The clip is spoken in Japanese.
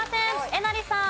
えなりさん。